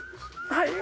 はい。